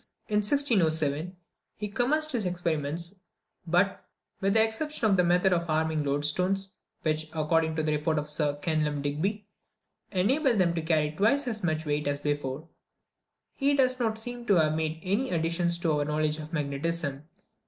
In 1607, he commenced his experiments; but, with the exception of a method of arming loadstones, which, according to the report of Sir Kenelm Digby, enabled them to carry twice as much weight as before, he does not seem to have made any additions to our knowledge of magnetism.